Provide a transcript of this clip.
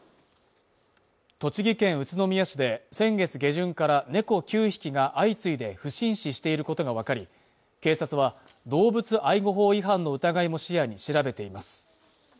栃木県宇都宮市で先月下旬から猫９匹が相次いで不審死していることが分かり警察は動物愛護法違反の疑いも視野に調べています